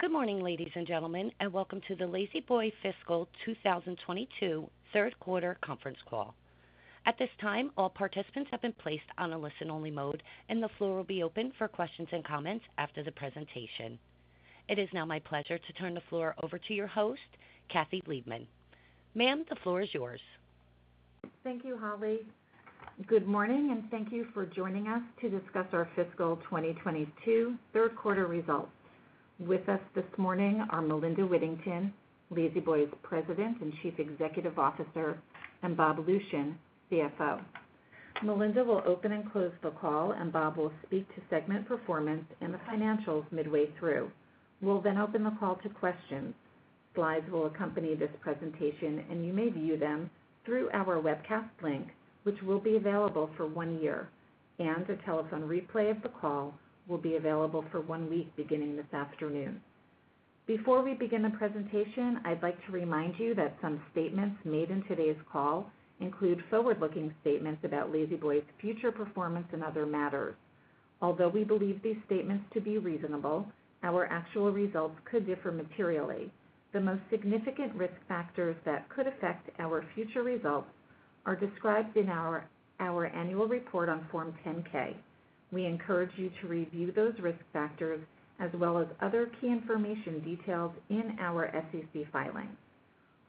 Good morning, ladies and gentlemen, and welcome to the La-Z-Boy fiscal 2022 third quarter conference call. At this time, all participants have been placed on a listen-only mode, and the floor will be open for questions and comments after the presentation. It is now my pleasure to turn the floor over to your host, Kathy Liebmann. Ma'am, the floor is yours. Thank you, Holly. Good morning, and thank you for joining us to discuss our fiscal 2022 third quarter results. With us this morning are Melinda Whittington, La-Z-Boy's President and Chief Executive Officer, and Bob Lucian, CFO. Melinda will open and close the call, and Bob will speak to segment performance and the financials midway through. We'll then open the call to questions. Slides will accompany this presentation, and you may view them through our webcast link, which will be available for one year, and a telephone replay of the call will be available for one week beginning this afternoon. Before we begin the presentation, I'd like to remind you that some statements made in today's call include forward-looking statements about La-Z-Boy's future performance and other matters. Although we believe these statements to be reasonable, our actual results could differ materially. The most significant risk factors that could affect our future results are described in our annual report on Form 10-K. We encourage you to review those risk factors as well as other key information details in our SEC filing.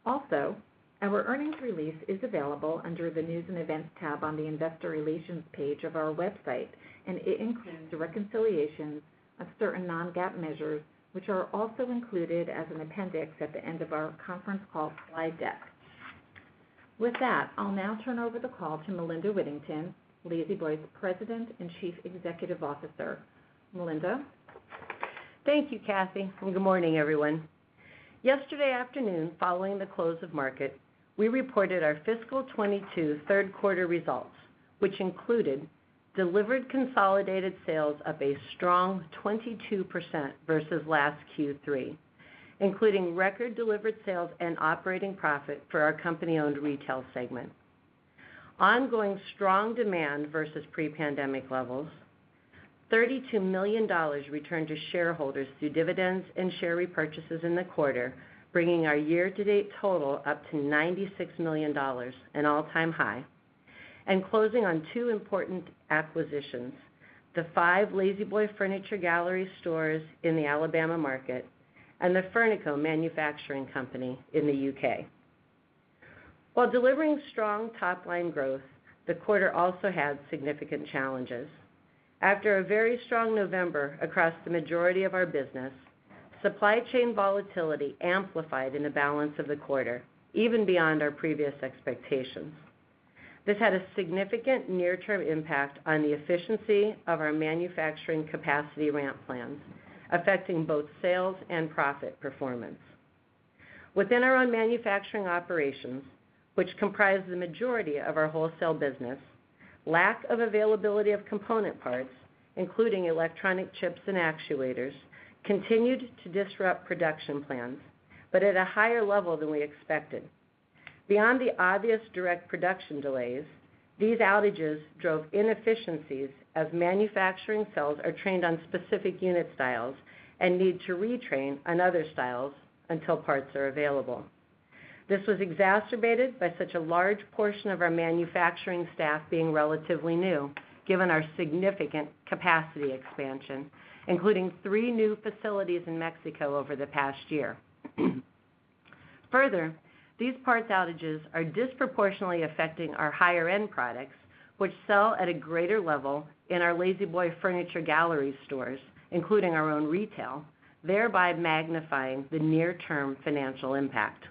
Also, our earnings release is available under the News and Events tab on the Investor Relations page of our website, and it includes the reconciliation of certain non-GAAP measures, which are also included as an appendix at the end of our conference call slide deck. With that, I'll now turn over the call to Melinda Whittington, La-Z-Boy's President and Chief Executive Officer. Melinda? Thank you, Kathy, and good morning, everyone. Yesterday afternoon, following the close of market, we reported our fiscal 2022 third quarter results, which included delivered consolidated sales of a strong 22% versus last Q3, including record delivered sales and operating profit for our company-owned retail segment, ongoing strong demand versus pre-pandemic levels. $32 million returned to shareholders through dividends and share repurchases in the quarter, bringing our year-to-date total up to $96 million, an all-time high. Closing on two important acquisitions, the five La-Z-Boy Furniture Gallery stores in the Alabama market and the Furnico Manufacturing company in the UK While delivering strong top-line growth, the quarter also had significant challenges. After a very strong November across the majority of our business, supply chain volatility amplified in the balance of the quarter, even beyond our previous expectations. This had a significant near-term impact on the efficiency of our manufacturing capacity ramp plans, affecting both sales and profit performance. Within our own manufacturing operations, which comprise the majority of our wholesale business, lack of availability of component parts, including electronic chips and actuators, continued to disrupt production plans, but at a higher level than we expected. Beyond the obvious direct production delays, these outages drove inefficiencies as manufacturing cells are trained on specific unit styles and need to retrain on other styles until parts are available. This was exacerbated by such a large portion of our manufacturing staff being relatively new, given our significant capacity expansion, including three new facilities in Mexico over the past year. Further, these parts outages are disproportionately affecting our higher-end products, which sell at a greater level in our La-Z-Boy Furniture Gallery stores, including our own retail, thereby magnifying the near-term financial impact.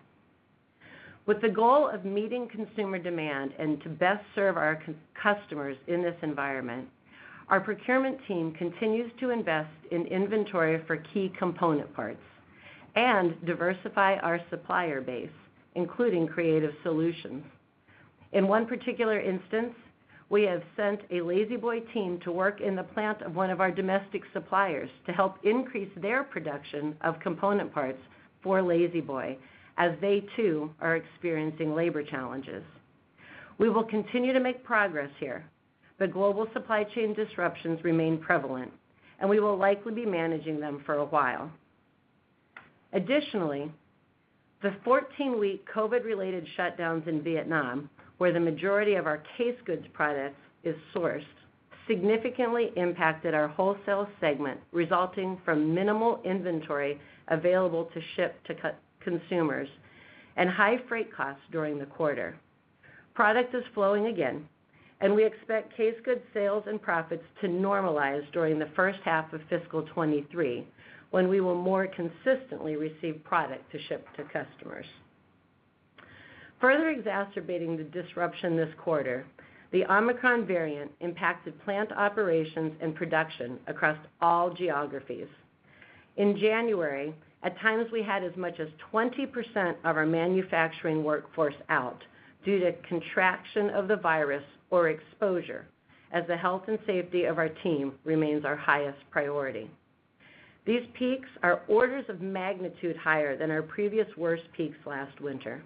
With the goal of meeting consumer demand and to best serve our customers in this environment, our procurement team continues to invest in inventory for key component parts and diversify our supplier base, including creative solutions. In one particular instance, we have sent a La-Z-Boy team to work in the plant of one of our domestic suppliers to help increase their production of component parts for La-Z-Boy, as they too are experiencing labor challenges. We will continue to make progress here, but global supply chain disruptions remain prevalent, and we will likely be managing them for a while. Additionally, the 14 week COVID-related shutdowns in Vietnam, where the majority of our case goods products is sourced, significantly impacted our wholesale segment, resulting from minimal inventory available to ship to consumers and high freight costs during the quarter. Product is flowing again, and we expect case goods sales and profits to normalize during the first half of fiscal 2023, when we will more consistently receive product to ship to customers. Further exacerbating the disruption this quarter, the Omicron variant impacted plant operations and production across all geographies. In January, at times we had as much as 20% of our manufacturing workforce out due to contracting the virus or exposure, as the health and safety of our team remains our highest priority. These peaks are orders of magnitude higher than our previous worst peaks last winter.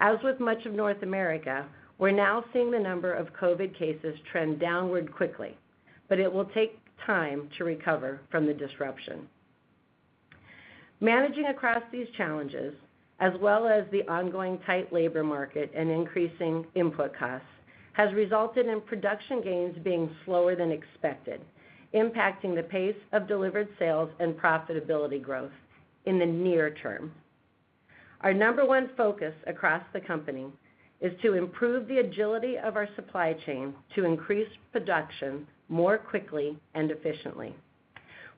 As with much of North America, we're now seeing the number of COVID cases trend downward quickly, but it will take time to recover from the disruption. Managing across these challenges, as well as the ongoing tight labor market and increasing input costs, has resulted in production gains being slower than expected, impacting the pace of delivered sales and profitability growth in the near term. Our number one focus across the company is to improve the agility of our supply chain to increase production more quickly and efficiently.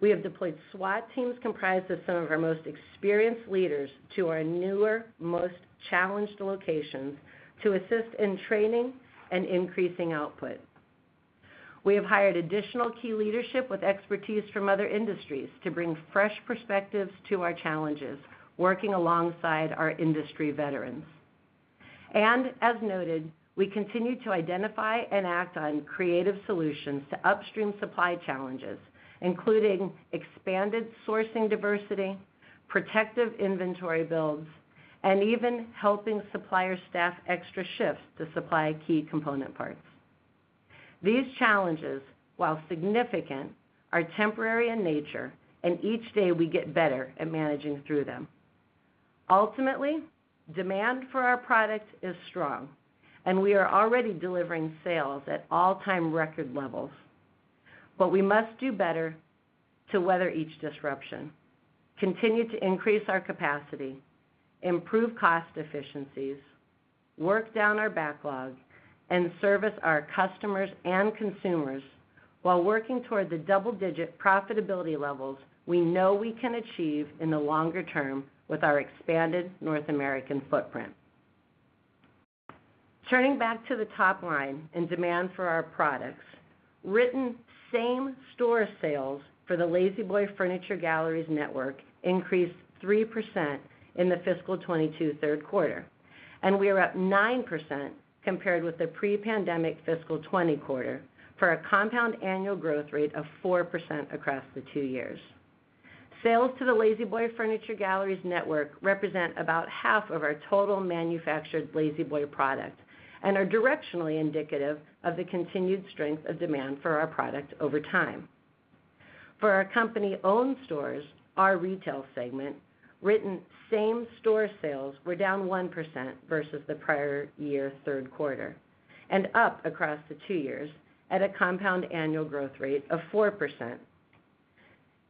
We have deployed SWAT teams comprised of some of our most experienced leaders to our newer, most challenged locations to assist in training and increasing output. We have hired additional key leadership with expertise from other industries to bring fresh perspectives to our challenges, working alongside our industry veterans. As noted, we continue to identify and act on creative solutions to upstream supply challenges, including expanded sourcing diversity, protective inventory builds, and even helping supplier staff extra shifts to supply key component parts. These challenges, while significant, are temporary in nature, and each day we get better at managing through them. Ultimately, demand for our product is strong, and we are already delivering sales at all-time record levels. We must do better to weather each disruption, continue to increase our capacity, improve cost efficiencies, work down our backlog, and service our customers and consumers while working toward the double-digit profitability levels we know we can achieve in the longer term with our expanded North American footprint. Turning back to the top line and demand for our products, written same-store sales for the La-Z-Boy Furniture Galleries network increased 3% in the fiscal 2022 third quarter, and we are up 9% compared with the pre-pandemic fiscal 2020 quarter, for a CAGR of 4% across the two years. Sales to the La-Z-Boy Furniture Galleries network represent about half of our total manufactured La-Z-Boy product and are directionally indicative of the continued strength of demand for our product over time. For our company-owned stores, our retail segment, written same-store sales were down 1% versus the prior-year third quarter, and up across the two years at a compound annual growth rate of 4%.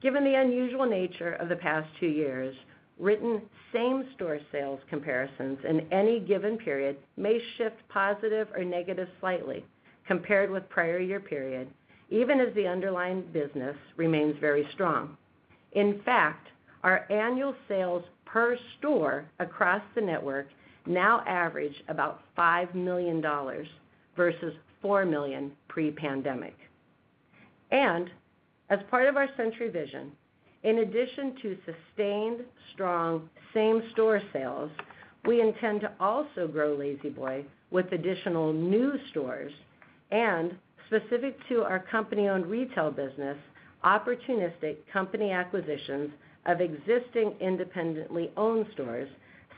Given the unusual nature of the past two years, written same-store sales comparisons in any given period may shift positive or negative slightly compared with prior-year period, even as the underlying business remains very strong. In fact, our annual sales per store across the network now average about $5 million versus $4 million pre-pandemic. As part of our Century Vision, in addition to sustained strong same-store sales, we intend to also grow La-Z-Boy with additional new stores and, specific to our company-owned retail business, opportunistic company acquisitions of existing independently owned stores,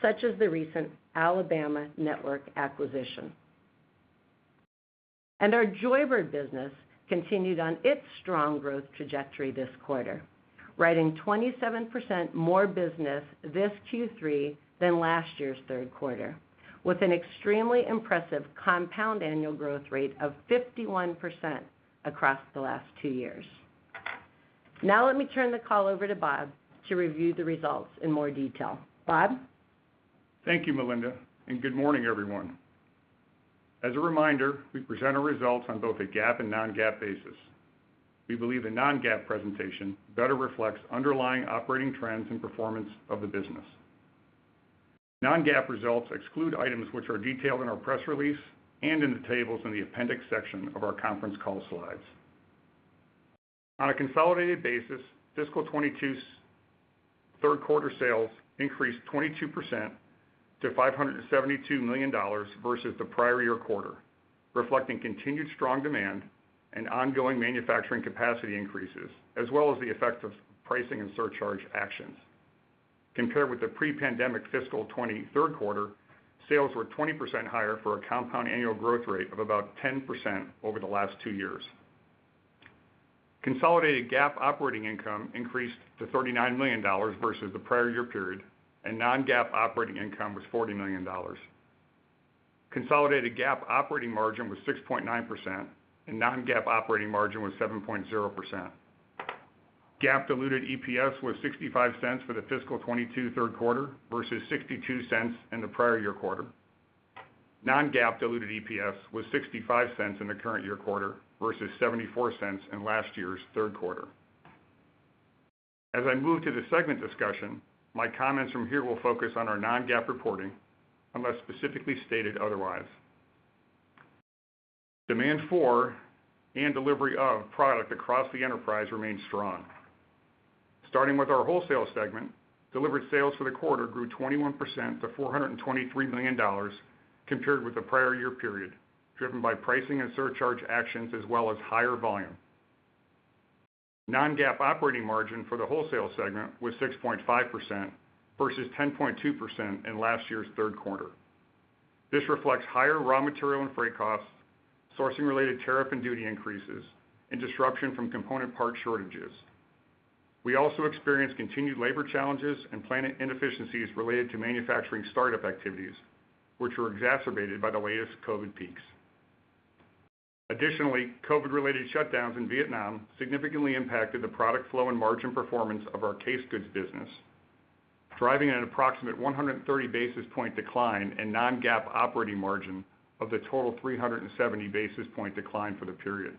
such as the recent Alabama network acquisition. Our Joybird business continued on its strong growth trajectory this quarter, writing 27% more business this Q3 than last year's third quarter, with an extremely impressive compound annual growth rate of 51% across the last two years. Now let me turn the call over to Bob to review the results in more detail. Bob? Thank you, Melinda, and good morning, everyone. As a reminder, we present our results on both a GAAP and non-GAAP basis. We believe a non-GAAP presentation better reflects underlying operating trends and performance of the business. Non-GAAP results exclude items which are detailed in our press release and in the tables in the appendix section of our conference call slides. On a consolidated basis, fiscal 2022's third quarter sales increased 22% to $572 million versus the prior year quarter, reflecting continued strong demand and ongoing manufacturing capacity increases, as well as the effect of pricing and surcharge actions. Compared with the pre-pandemic fiscal 2020 third quarter, sales were 20% higher for a compound annual growth rate of about 10% over the last two years. Consolidated GAAP operating income increased to $39 million versus the prior year period, and non-GAAP operating income was $40 million. Consolidated GAAP operating margin was 6.9%, and non-GAAP operating margin was 7.0%. GAAP diluted EPS was $0.65 for the fiscal 2022 third quarter versus $0.62 in the prior year quarter. Non-GAAP diluted EPS was $0.65 in the current year quarter versus $0.74 in last year's third quarter. As I move to the segment discussion, my comments from here will focus on our non-GAAP reporting unless specifically stated otherwise. Demand for and delivery of product across the enterprise remained strong. Starting with our wholesale segment, delivered sales for the quarter grew 21% to $423 million compared with the prior year period, driven by pricing and surcharge actions as well as higher volume. non-GAAP operating margin for the wholesale segment was 6.5% versus 10.2% in last year's third quarter. This reflects higher raw material and freight costs, sourcing related tariff and duty increases, and disruption from component part shortages. We also experienced continued labor challenges and plant inefficiencies related to manufacturing startup activities, which were exacerbated by the latest COVID peaks. Additionally, COVID-related shutdowns in Vietnam significantly impacted the product flow and margin performance of our case goods business, driving an approximate 130 basis point decline in non-GAAP operating margin of the total 370 basis point decline for the period.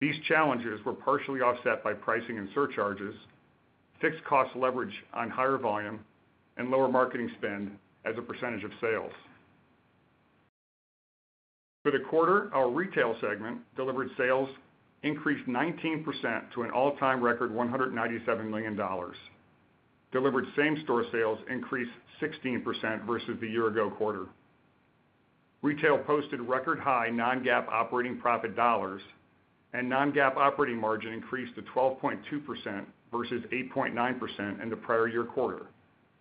These challenges were partially offset by pricing and surcharges, fixed cost leverage on higher volume and lower marketing spend as a percentage of sales. For the quarter, our retail segment delivered sales increased 19% to an all-time record $197 million. Delivered same store sales increased 16% versus the year ago quarter. Retail posted record high non-GAAP operating profit dollars and non-GAAP operating margin increased to 12.2% versus 8.9% in the prior year quarter,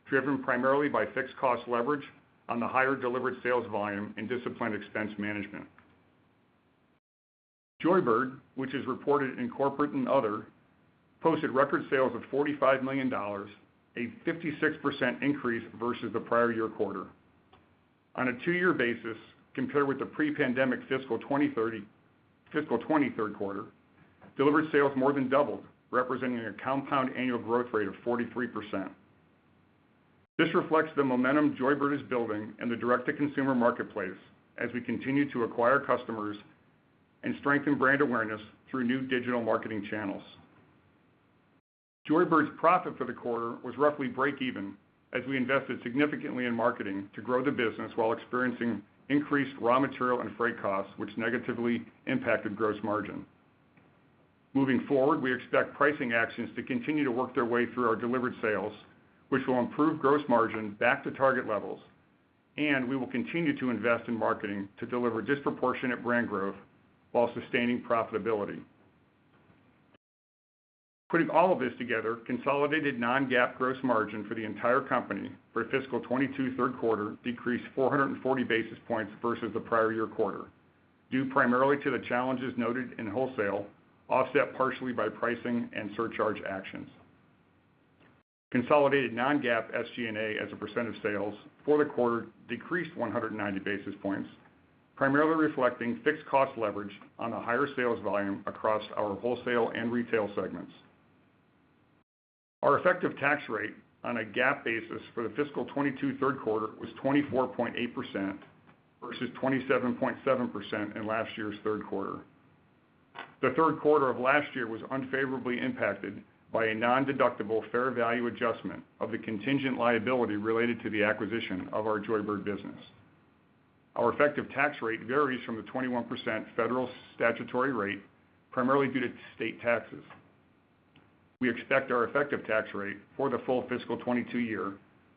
driven primarily by fixed cost leverage on the higher delivered sales volume and disciplined expense management. Joybird, which is reported in corporate and other, posted record sales of $45 million, a 56% increase versus the prior year quarter. On a two year basis, compared with the pre-pandemic fiscal 23rd quarter, delivered sales more than doubled, representing a compound annual growth rate of 43%. This reflects the momentum Joybird is building in the direct-to-consumer marketplace as we continue to acquire customers and strengthen brand awareness through new digital marketing channels. Joybird's profit for the quarter was roughly break even as we invested significantly in marketing to grow the business while experiencing increased raw material and freight costs, which negatively impacted gross margin. Moving forward, we expect pricing actions to continue to work their way through our delivered sales, which will improve gross margin back to target levels, and we will continue to invest in marketing to deliver disproportionate brand growth while sustaining profitability. Putting all of this together, consolidated non-GAAP gross margin for the entire company for fiscal 2022 third quarter decreased 440 basis points versus the prior year quarter, due primarily to the challenges noted in wholesale, offset partially by pricing and surcharge actions. Consolidated non-GAAP SG&A as a percent of sales for the quarter decreased 190 basis points, primarily reflecting fixed cost leverage on the higher sales volume across our wholesale and retail segments. Our effective tax rate on a GAAP basis for the fiscal 2022 third quarter was 24.8% versus 27.7% in last year's third quarter. The third quarter of last year was unfavorably impacted by a nondeductible fair value adjustment of the contingent liability related to the acquisition of our Joybird business. Our effective tax rate varies from the 21% federal statutory rate, primarily due to state taxes. We expect our effective tax rate for the full fiscal 2022 year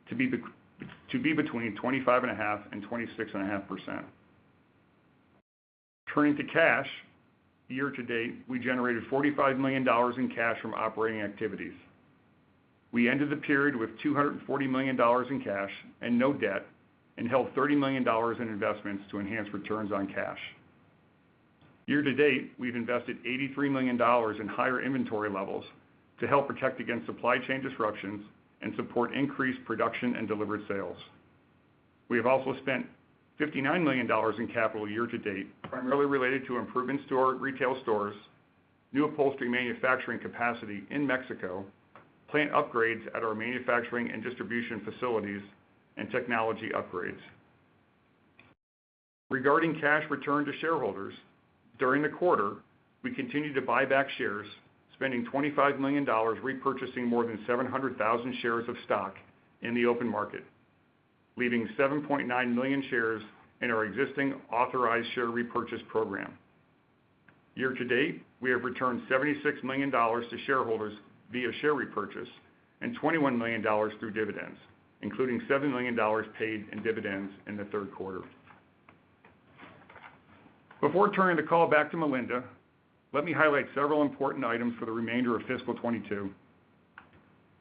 to be between 25.5% and 26.5%. Turning to cash, year-to-date, we generated $45 million in cash from operating activities. We ended the period with $240 million in cash and no debt, and held $30 million in investments to enhance returns on cash. Year-to-date, we've invested $83 million in higher inventory levels to help protect against supply chain disruptions and support increased production and delivered sales. We have also spent $59 million in capital year-to-date, primarily related to improvements to our retail stores, new upholstery manufacturing capacity in Mexico, plant upgrades at our manufacturing and distribution facilities, and technology upgrades. Regarding cash returned to shareholders, during the quarter, we continued to buy back shares, spending $25 million repurchasing more than 700,000 shares of stock in the open market, leaving 7.9 million shares in our existing authorized share repurchase program. Year-to-date, we have returned $76 million to shareholders via share repurchase and $21 million through dividends, including $7 million paid in dividends in the third quarter. Before turning the call back to Melinda, let me highlight several important items for the remainder of fiscal 2022.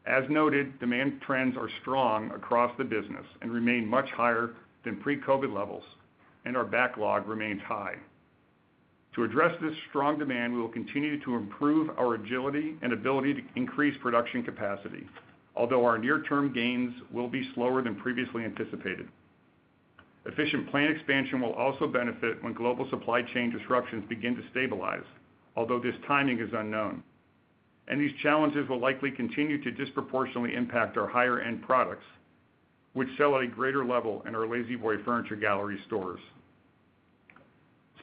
As noted, demand trends are strong across the business and remain much higher than pre-COVID levels, and our backlog remains high. To address this strong demand, we will continue to improve our agility and ability to increase production capacity, although our near-term gains will be slower than previously anticipated. Efficient plan expansion will also benefit when global supply chain disruptions begin to stabilize, although this timing is unknown. These challenges will likely continue to disproportionately impact our higher-end products, which sell at a greater level in our La-Z-Boy Furniture Gallery stores.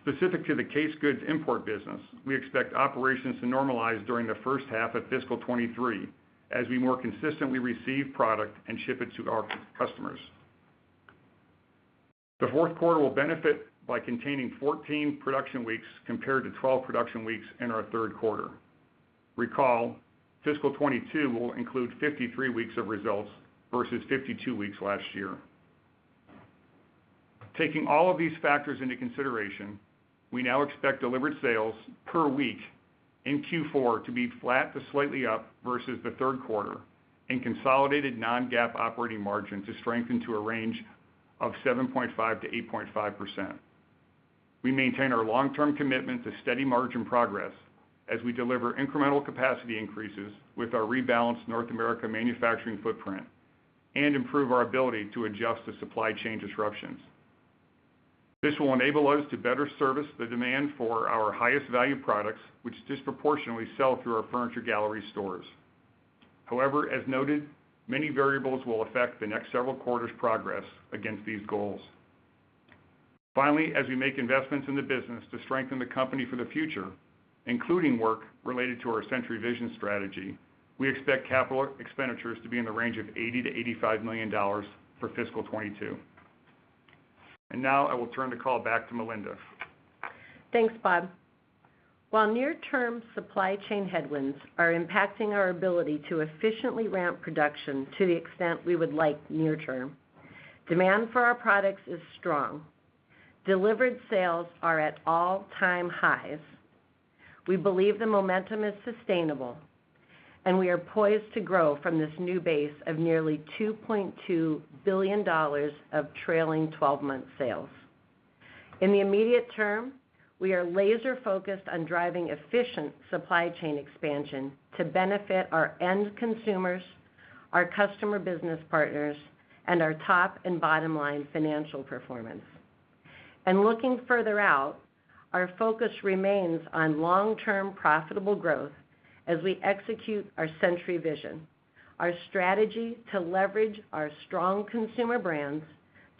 Specific to the case goods import business, we expect operations to normalize during the first half of fiscal 2023 as we more consistently receive product and ship it to our customers. The fourth quarter will benefit by containing 14 production weeks compared to 12 production weeks in our third quarter. Recall, fiscal 2022 will include 53 weeks of results versus 52 weeks last year. Taking all of these factors into consideration, we now expect delivered sales per week in Q4 to be flat to slightly up versus the third quarter and consolidated non-GAAP operating margin to strengthen to a range of 7.5%-8.5%. We maintain our long-term commitment to steady margin progress as we deliver incremental capacity increases with our rebalanced North America manufacturing footprint and improve our ability to adjust to supply chain disruptions. This will enable us to better service the demand for our highest value products, which disproportionately sell through our Furniture Gallery stores. However, as noted, many variables will affect the next several quarters' progress against these goals. Finally, as we make investments in the business to strengthen the company for the future, including work related to our Century Vision strategy, we expect capital expenditures to be in the range of $80 million-$85 million for fiscal 2022. Now I will turn the call back to Melinda. Thanks, Bob. While near-term supply chain headwinds are impacting our ability to efficiently ramp production to the extent we would like near term, demand for our products is strong. Delivered sales are at all-time highs. We believe the momentum is sustainable, and we are poised to grow from this new base of nearly $2.2 billion of trailing 12 month sales. In the immediate term, we are laser focused on driving efficient supply chain expansion to benefit our end consumers, our customer business partners, and our top and bottom line financial performance. Looking further out, our focus remains on long-term profitable growth as we execute our Century Vision, our strategy to leverage our strong consumer brands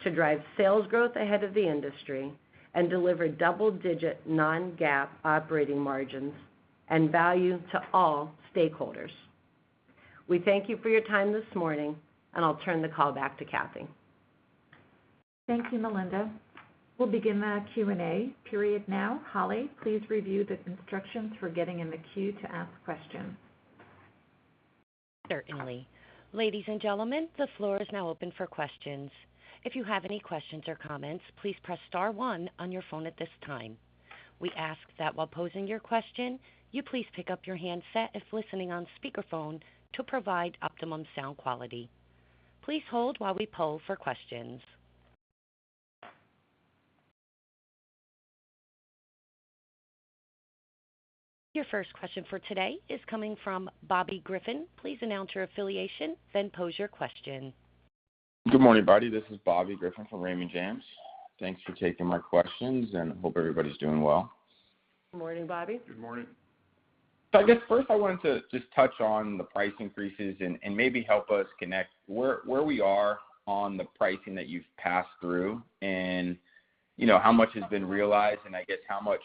to drive sales growth ahead of the industry and deliver double-digit non-GAAP operating margins and value to all stakeholders. We thank you for your time this morning, and I'll turn the call back to Kathy. Thank you, Melinda. We'll begin the Q&A period now. Holly, please review the instructions for getting in the queue to ask questions. Certainly. Ladies and gentlemen, the floor is now open for questions. If you have any questions or comments, please press star one on your phone at this time. We ask that while posing your question, you please pick up your handset if listening on speakerphone to provide optimum sound quality. Please hold while we poll for questions. Your first question for today is coming from Bobby Griffin. Please announce your affiliation, then pose your question. Good morning, everybody. This is Bobby Griffin from Raymond James. Thanks for taking my questions, and I hope everybody's doing well. Good morning, Bobby. Good morning. I guess first I wanted to just touch on the price increases and maybe help us connect where we are on the pricing that you've passed through and, you know, how much has been realized and I guess how much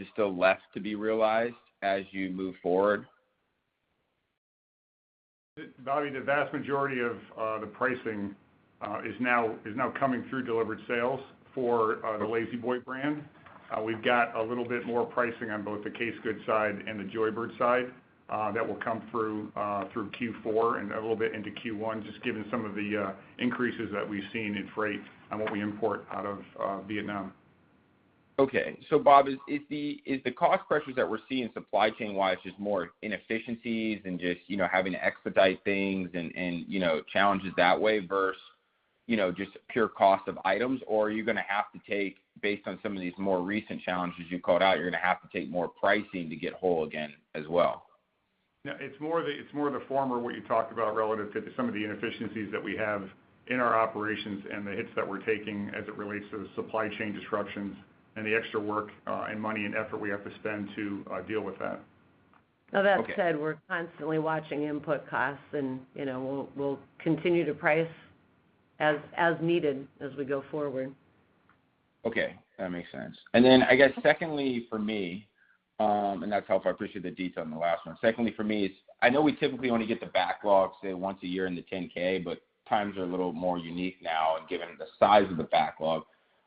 is still left to be realized as you move forward. Bobby, the vast majority of the pricing is now coming through delivered sales for the La-Z-Boy brand. We've got a little bit more pricing on both the case goods side and the Joybird side that will come through Q4 and a little bit into Q1, just given some of the increases that we've seen in freight on what we import out of Vietnam. Okay. Bob, is the cost pressures that we're seeing supply chain-wise just more inefficiencies and just, you know, having to expedite things and, you know, challenges that way versus, you know, just pure cost of items? Or, based on some of these more recent challenges you called out, you're gonna have to take more pricing to get whole again as well? No, it's more the former, what you talked about relative to some of the inefficiencies that we have in our operations and the hits that we're taking as it relates to the supply chain disruptions and the extra work, and money and effort we have to spend to deal with that. Now that said. Okay. We're constantly watching input costs and, you know, we'll continue to price as needed as we go forward. Okay. That makes sense. I guess secondly for me, and that's helpful. I appreciate the detail on the last one. Secondly for me is I know we typically only get the backlog, say, once a year in the 10-K, but times are a little more unique now and given the size of the backlog.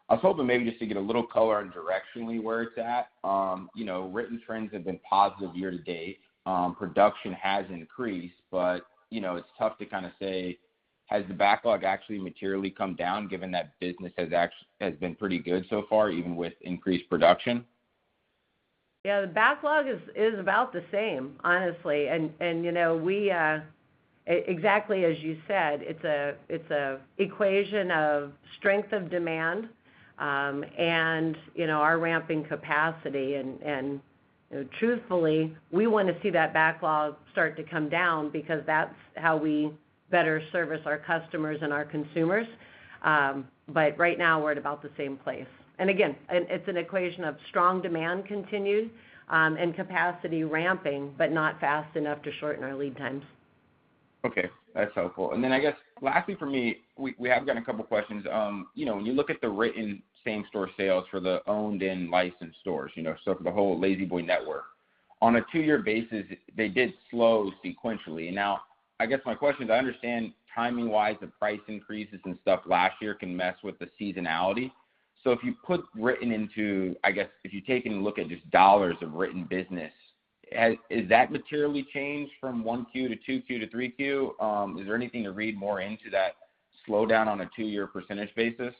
I was hoping maybe just to get a little color on directionally where it's at. You know, written trends have been positive year-to-date. Production has increased, but you know, it's tough to kinda say, has the backlog actually materially come down given that business has been pretty good so far, even with increased production? Yeah, the backlog is about the same, honestly. Exactly as you said, it's an equation of strength of demand, you know, our ramping capacity and truthfully, we wanna see that backlog start to come down because that's how we better service our customers and our consumers. Right now we're at about the same place. It's an equation of strong demand continued, and capacity ramping, but not fast enough to shorten our lead times. Okay. That's helpful. Then I guess lastly for me, we have gotten a couple of questions. You know, when you look at the written same store sales for the owned and licensed stores, you know, so for the whole La-Z-Boy network. On a two year basis, they did slow sequentially. Now I guess my question is, I understand timing-wise the price increases and stuff last year can mess with the seasonality. If you put written into, I guess, if you take and look at just dollars of written business, is that materially changed from 1Q to 2Q to 3Q? Is there anything to read more into that slowdown on a two year percentage basis?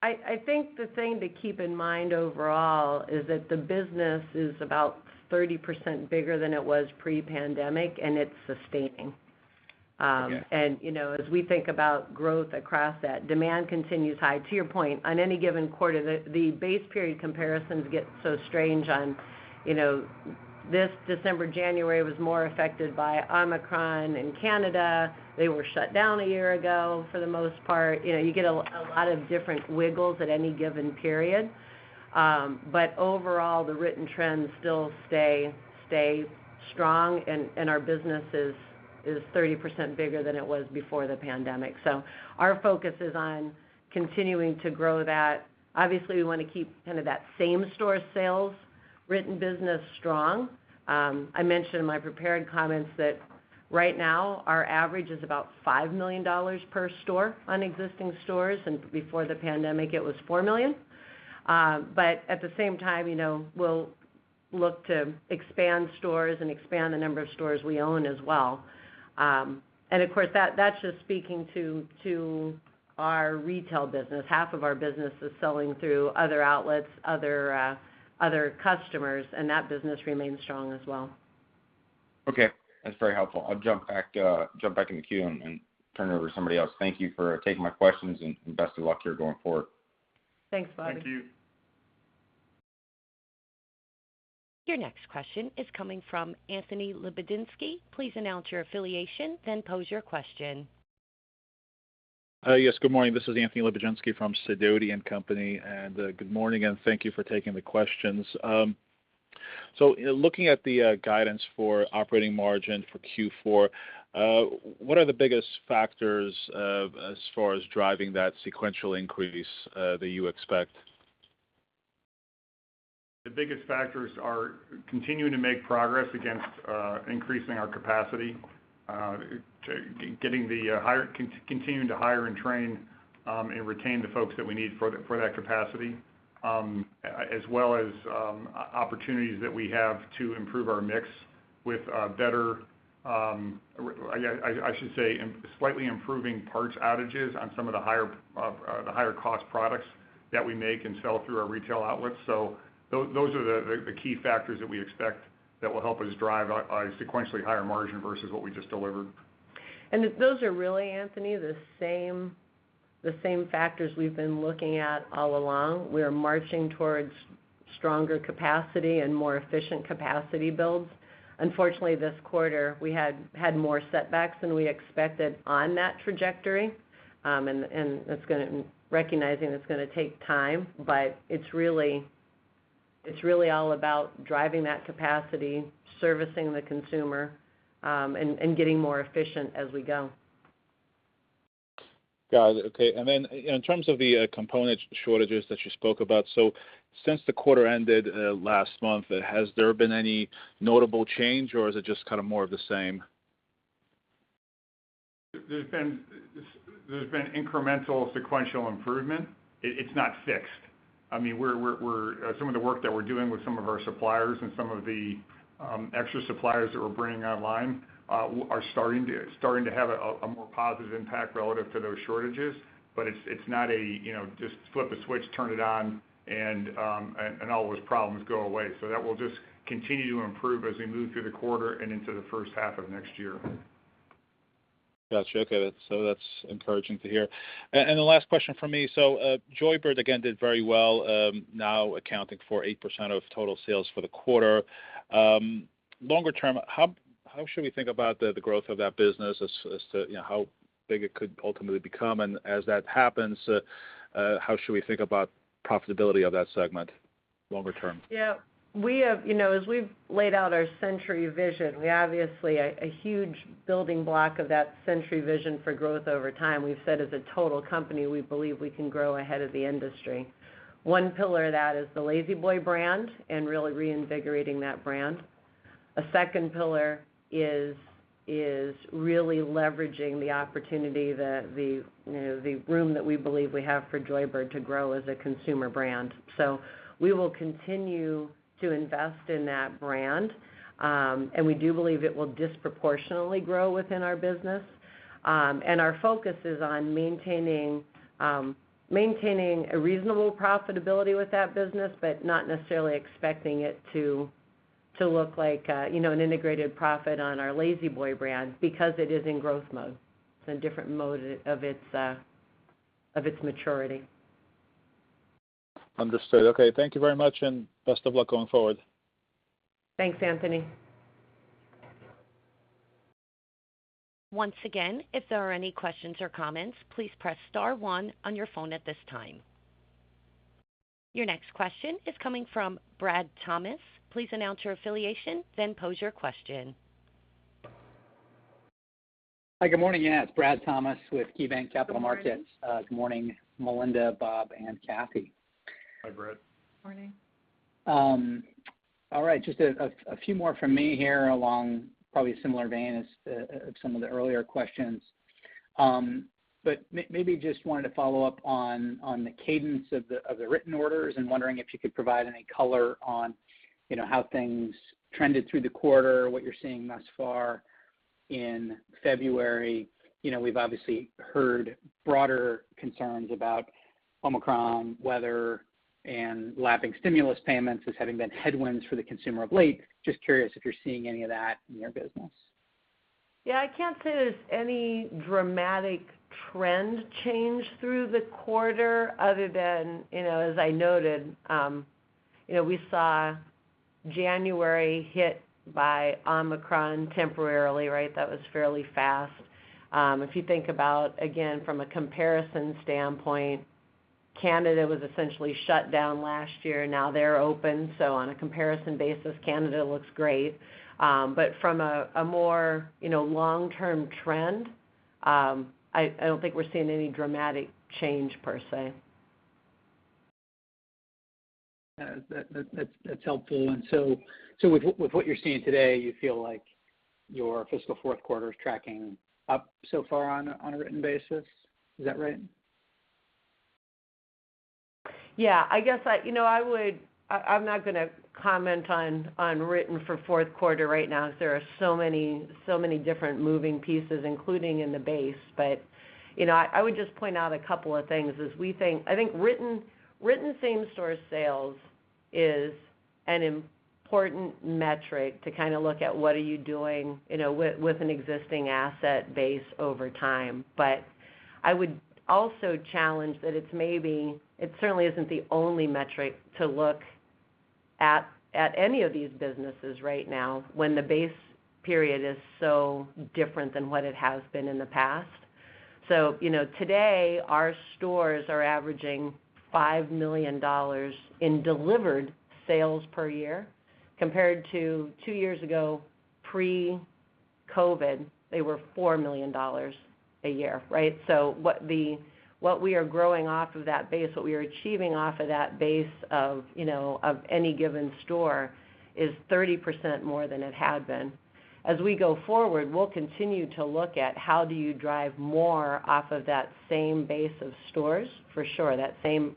I think the thing to keep in mind overall is that the business is about 30% bigger than it was pre-pandemic, and it's sustaining. Okay. You know, as we think about growth across that, demand continues high. To your point, on any given quarter, the base period comparisons get so strange on this December. January was more affected by Omicron in Canada. They were shut down a year ago for the most part. You know, you get a lot of different wiggles at any given period. But overall, the written trends still stay strong and our business is 30% bigger than it was before the pandemic. Our focus is on continuing to grow that. Obviously, we wanna keep kind of that same store sales written business strong. I mentioned in my prepared comments that right now, our average is about $5 million per store on existing stores, and before the pandemic it was $4 million. At the same time, you know, we'll look to expand stores and expand the number of stores we own as well. Of course, that's just speaking to our retail business. Half of our business is selling through other outlets, other customers, and that business remains strong as well. Okay. That's very helpful. I'll jump back in the queue and turn it over to somebody else. Thank you for taking my questions, and best of luck to you going forward. Thanks, Bobby. Thank you. Your next question is coming from Anthony Lebiedzinski. Please announce your affiliation, then pose your question. Yes, good morning. This is Anthony Lebiedzinski from Sidoti & Company. Good morning, and thank you for taking the questions. Looking at the guidance for operating margin for Q4, what are the biggest factors as far as driving that sequential increase that you expect? The biggest factors are continuing to make progress against increasing our capacity, continuing to hire and train and retain the folks that we need for that capacity, as well as opportunities that we have to improve our mix with better, I should say, slightly improving parts outages on some of the higher cost products that we make and sell through our retail outlets. Those are the key factors that we expect that will help us drive a sequentially higher margin versus what we just delivered. Those are really, Anthony, the same factors we've been looking at all along. We are marching towards stronger capacity and more efficient capacity builds. Unfortunately, this quarter, we had more setbacks than we expected on that trajectory, recognizing it's gonna take time, but it's really all about driving that capacity, servicing the consumer, and getting more efficient as we go. Got it. Okay. In terms of the component shortages that you spoke about, so since the quarter ended last month, has there been any notable change, or is it just kind of more of the same? There's been incremental sequential improvement. It's not fixed. I mean, some of the work that we're doing with some of our suppliers and some of the extra suppliers that we're bringing online are starting to have a more positive impact relative to those shortages. It's not a, you know, just flip a switch, turn it on, and all those problems go away. That will just continue to improve as we move through the quarter and into the first half of next year. Got you. Okay. That's encouraging to hear. The last question from me, Joybird again did very well, now accounting for 8% of total sales for the quarter. Longer term, how should we think about the growth of that business as to, you know, how big it could ultimately become? As that happens, how should we think about profitability of that segment longer term? Yeah. We have you know, as we've laid out our Century Vision, we obviously a huge building block of that Century Vision for growth over time, we've said as a total company, we believe we can grow ahead of the industry. One pillar of that is the La-Z-Boy brand and really reinvigorating that brand. A second pillar is really leveraging the opportunity that the you know, the room that we believe we have for Joybird to grow as a consumer brand. We will continue to invest in that brand, and we do believe it will disproportionately grow within our business. Our focus is on maintaining a reasonable profitability with that business, but not necessarily expecting it to look like a you know, an integrated profit on our La-Z-Boy brand because it is in growth mode. It's in a different mode of its maturity. Understood. Okay. Thank you very much, and best of luck going forward. Thanks, Anthony. Once again, if there are any questions or comments, please press star one on your phone at this time. Your next question is coming from Brad Thomas. Please announce your affiliation, then pose your question. Hi. Good morning. Yeah, it's Brad Thomas with KeyBanc Capital Markets. Good morning. Good morning, Melinda, Bob, and Kathy. Hi, Brad. Morning. All right. Just a few more from me here along probably a similar vein as some of the earlier questions. Maybe just wanted to follow up on the cadence of the written orders and wondering if you could provide any color on, you know, how things trended through the quarter, what you're seeing thus far in February. You know, we've obviously heard broader concerns about Omicron, weather, and lapping stimulus payments as having been headwinds for the consumer of late. Just curious if you're seeing any of that in your business. Yeah, I can't say there's any dramatic trend change through the quarter other than, you know, as I noted, you know, we saw January hit by Omicron temporarily, right? That was fairly fast. If you think about, again, from a comparison standpoint, Canada was essentially shut down last year. Now they're open. On a comparison basis, Canada looks great. From a more, you know, long-term trend, I don't think we're seeing any dramatic change per se. Yeah. That's helpful. With what you're seeing today, you feel like your fiscal fourth quarter is tracking up so far on a written basis? Is that right? Yeah. I guess you know, I would. I'm not gonna comment on written for fourth quarter right now, as there are so many different moving pieces, including in the base. You know, I would just point out a couple of things as we think. I think written same-store sales is an important metric to kind of look at what are you doing, you know, with an existing asset base over time. I would also challenge that it's maybe. It certainly isn't the only metric to look at any of these businesses right now when the base period is so different than what it has been in the past. You know, today, our stores are averaging $5 million in delivered sales per year compared to two years ago, pre-COVID, they were $4 million a year, right? What we are achieving off of that base of, you know, of any given store is 30% more than it had been. As we go forward, we'll continue to look at how do you drive more off of that same base of stores, for sure, that same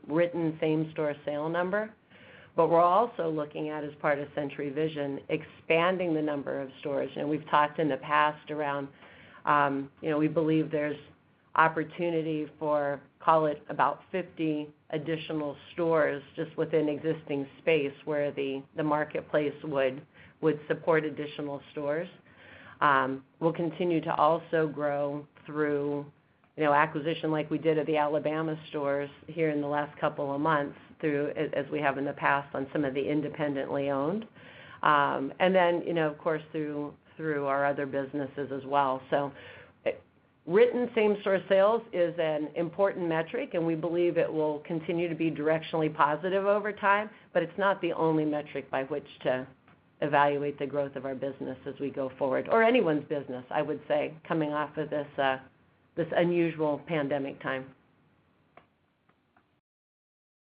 same-store sales number. We're also looking at, as part of Century Vision, expanding the number of stores. We've talked in the past around, you know, we believe there's opportunity for, call it, about 50 additional stores just within existing space where the marketplace would support additional stores. We'll continue to also grow through, you know, acquisition like we did at the Alabama stores here in the last couple of months through as we have in the past on some of the independently owned. You know, of course, through our other businesses as well. Written same-store sales is an important metric, and we believe it will continue to be directionally positive over time, but it's not the only metric by which to evaluate the growth of our business as we go forward or anyone's business, I would say, coming off of this unusual pandemic time.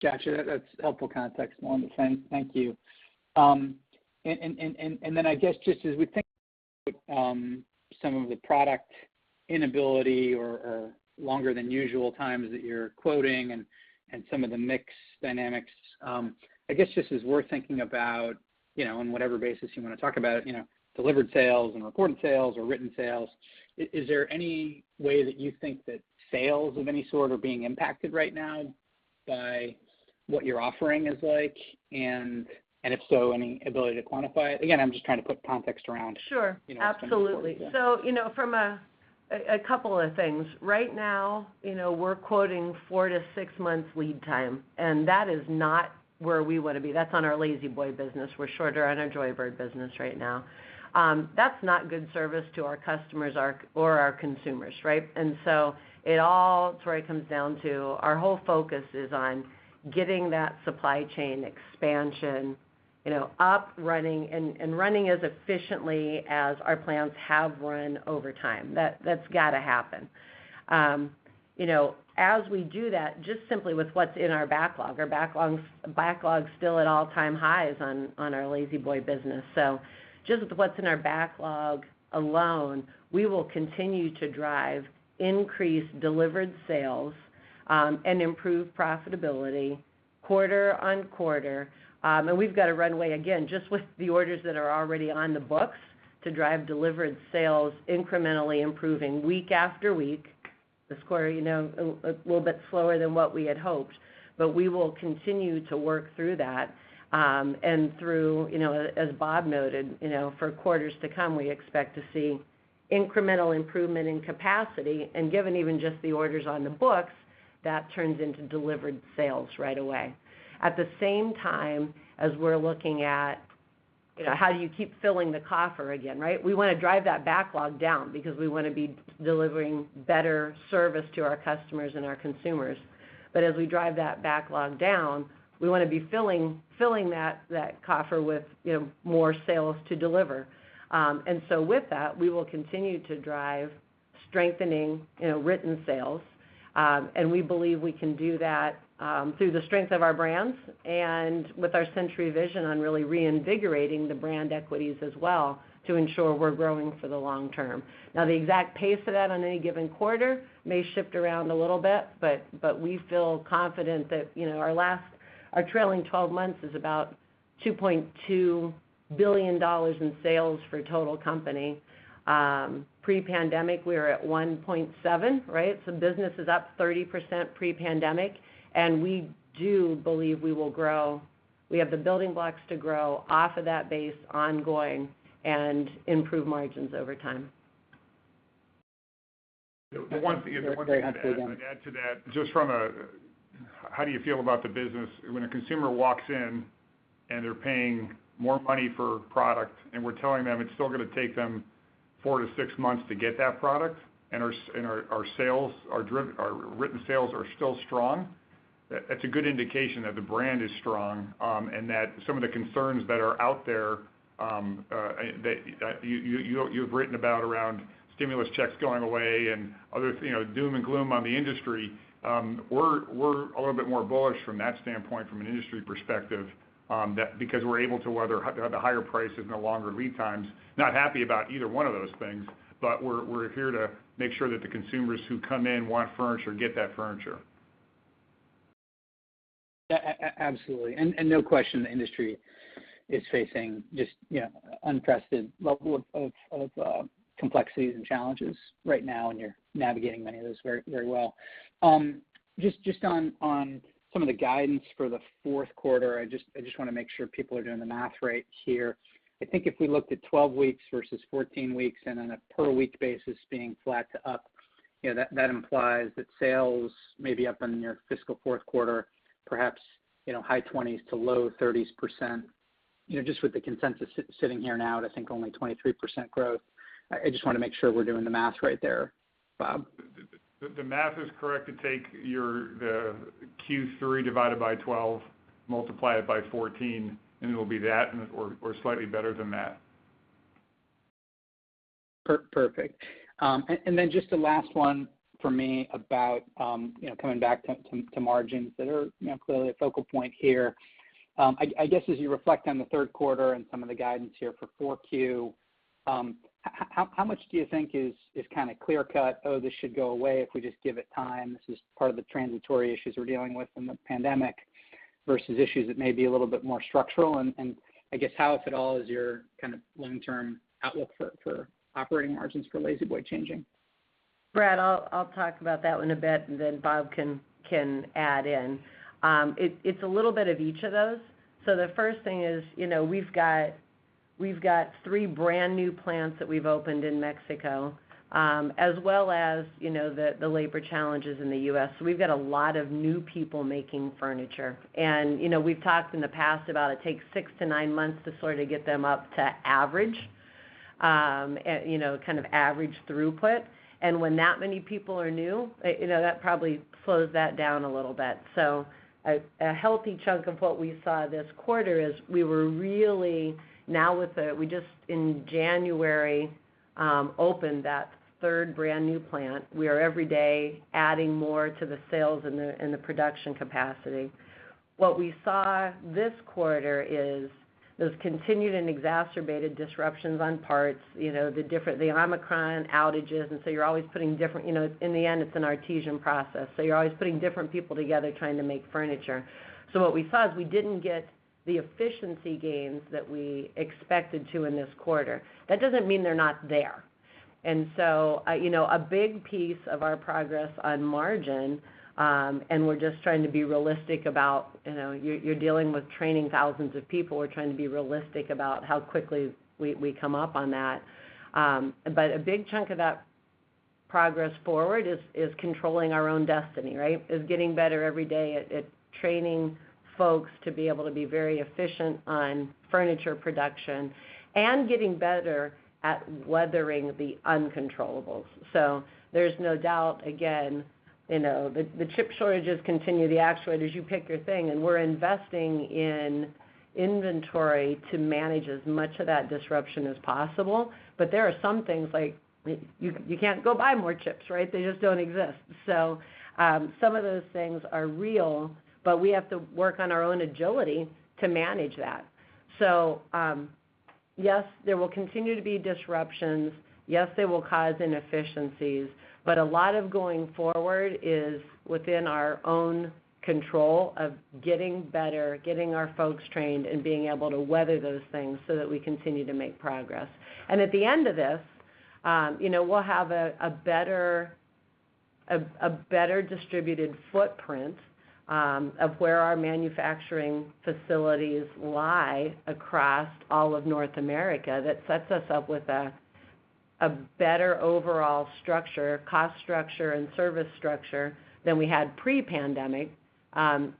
Gotcha. That's helpful context, Melinda. Thank you. Then I guess just as we think some of the product availability or longer than usual times that you're quoting and some of the mix dynamics, I guess just as we're thinking about, you know, on whatever basis you wanna talk about, you know, delivered sales and recorded sales or written sales, is there any way that you think that sales of any sort are being impacted right now by what your offering is like? If so, any ability to quantify it? Again, I'm just trying to put context around- Sure. You know, some of the. Absolutely. Yeah. You know, from a couple of things. Right now, you know, we're quoting four to six months lead time, and that is not where we wanna be. That's on our La-Z-Boy business. We're shorter on our Joybird business right now. That's not good service to our customers or our consumers, right? It all sort of comes down to our whole focus is on getting that supply chain expansion, you know, up running and running as efficiently as our plans have run over time. That's gotta happen. You know, as we do that, just simply with what's in our backlog, our backlog's still at all-time highs on our La-Z-Boy business. Just with what's in our backlog alone, we will continue to drive increased delivered sales, and improve profitability quarter-on-quarter. We've got a runway, again, just with the orders that are already on the books to drive delivered sales incrementally improving week after week. This quarter, you know, a little bit slower than what we had hoped, but we will continue to work through that through, you know, as Bob noted, you know, for quarters to come, we expect to see incremental improvement in capacity. Given even just the orders on the books, that turns into delivered sales right away. At the same time, as we're looking at, you know, how do you keep filling the coffer again, right? We wanna drive that backlog down because we wanna be delivering better service to our customers and our consumers. As we drive that backlog down, we wanna be filling that coffer with, you know, more sales to deliver. With that, we will continue to drive strengthening, you know, written sales. We believe we can do that through the strength of our brands and with our Century Vision on really reinvigorating the brand equities as well to ensure we're growing for the long term. Now, the exact pace of that on any given quarter may shift around a little bit, but we feel confident that, you know, our trailing twelve months is about $2.2 billion in sales for total company. Pre-pandemic, we were at $1.7 billion, right? So business is up 30% pre-pandemic, and we do believe we will grow. We have the building blocks to grow off of that base ongoing and improve margins over time. The one thing Yes, go ahead, Bob, yeah. I'd add to that, just from a how do you feel about the business, when a consumer walks in and they're paying more money for product, and we're telling them it's still gonna take them four to six months to get that product, and our written sales are still strong, that's a good indication that the brand is strong, and that some of the concerns that are out there, that you have written about around stimulus checks going away and other, you know, doom and gloom on the industry, we're a little bit more bullish from that standpoint from an industry perspective, that because we're able to weather the higher prices and the longer lead times. Not happy about either one of those things, but we're here to make sure that the consumers who come in want furniture, get that furniture. Absolutely. No question, the industry is facing just, you know, unprecedented level of complexities and challenges right now, and you're navigating many of those very, very well. Just on some of the guidance for the fourth quarter, I just wanna make sure people are doing the math right here. I think if we looked at 12 weeks versus 14 weeks and on a per-week basis being flat to up, you know, that implies that sales may be up in your fiscal fourth quarter, perhaps, you know, high 20% to 30%. Just with the consensus sitting here now at, I think, only 23% growth. I just wanna make sure we're doing the math right there, Bob. The math is correct to take the Q3 divided by 12, multiply it by 14, and it'll be that or slightly better than that. Just the last one for me about, you know, coming back to margins that are, you know, clearly a focal point here. I guess, as you reflect on the third quarter and some of the guidance here for Q4, how much do you think is kinda clear-cut, "Oh, this should go away if we just give it time. This is part of the transitory issues we're dealing with in the pandemic," versus issues that may be a little bit more structural? I guess how, if at all, is your kind of long-term outlook for operating margins for La-Z-Boy changing? Brad, I'll talk about that one a bit and then Bob can add in. It's a little bit of each of those. The first thing is, you know, we've got three brand-new plants that we've opened in Mexico, as well as, you know, the labor challenges in the U.S. We've got a lot of new people making furniture. You know, we've talked in the past about it takes six to nine months to sort of get them up to average and you know kind of average throughput. When that many people are new, you know, that probably slows that down a little bit. A healthy chunk of what we saw this quarter is we were really now we just in January opened that third brand-new plant. We are every day adding more to the sales and the production capacity. What we saw this quarter is those continued and exacerbated disruptions on parts, you know, the Omicron outages, and so you're always putting different people together trying to make furniture. You know, in the end, it's an artisan process, so you're always putting different people together trying to make furniture. What we saw is we didn't get the efficiency gains that we expected to in this quarter. That doesn't mean they're not there. You know, a big piece of our progress on margin, and we're just trying to be realistic about, you know, you're dealing with training thousands of people. We're trying to be realistic about how quickly we come up on that. A big chunk of that progress forward is controlling our own destiny, right? It's getting better every day at training folks to be able to be very efficient on furniture production and getting better at weathering the uncontrollables. There's no doubt, again, you know, the chip shortages continue, the actuators, you pick your thing, and we're investing in inventory to manage as much of that disruption as possible. There are some things like you can't go buy more chips, right? They just don't exist. Some of those things are real, but we have to work on our own agility to manage that. Yes, there will continue to be disruptions. Yes, they will cause inefficiencies, but a lot of going forward is within our own control of getting better, getting our folks trained, and being able to weather those things so that we continue to make progress. At the end of this, you know, we'll have a better distributed footprint of where our manufacturing facilities lie across all of North America that sets us up with a better overall structure, cost structure and service structure than we had pre-pandemic,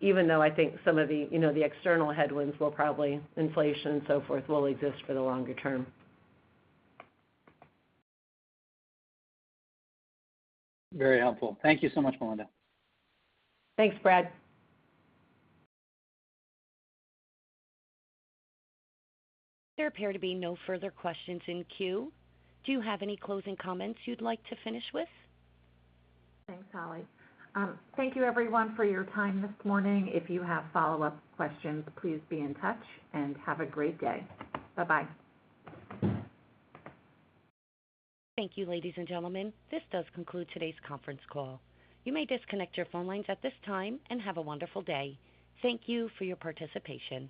even though I think some of the, you know, the external headwinds will probably, inflation and so forth, will exist for the longer term. Very helpful. Thank you so much, Melinda. Thanks, Brad. There appear to be no further questions in queue. Do you have any closing comments you'd like to finish with? Thanks, Holly. Thank you everyone for your time this morning. If you have follow-up questions, please be in touch and have a great day. Bye-bye. Thank you, ladies and gentlemen. This does conclude today's conference call. You may disconnect your phone lines at this time and have a wonderful day. Thank you for your participation.